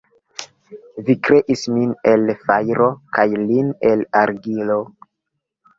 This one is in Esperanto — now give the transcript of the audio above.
Vi kreis min el fajro kaj lin el argilo.